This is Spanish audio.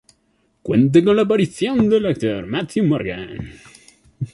Cuenta con la aparición del actor Matthew Morgan.